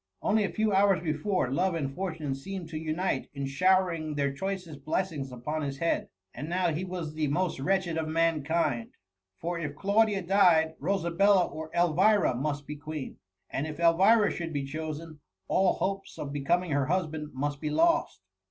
Only a few hours before, love and fortune seemed to unite in showering their choicest blessings upon his head, and now he was the most wretched of mankind; for if Claudia died, Rosabella or Elvira must be queen ; and if Elvira should be chosen, all hopes of be coming her husband must be lost.